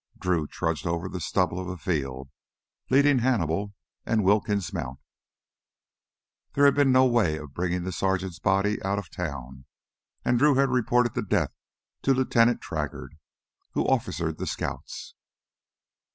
Drew trudged over the stubble of a field, leading Hannibal and Wilkins' mount. There had been no way of bringing the sergeant's body out of town, and Drew had reported the death to Lieutenant Traggart, who officered the scouts.